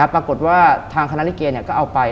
ปรากฏว่าทางคณะลิเกก็เอาไป